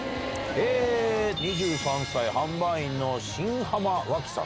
２３歳、販売員の新浜脇さん。